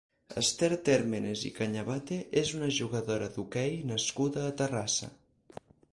Esther Térmens i Cañabate és una jugadora d'hoquei nascuda a Terrassa.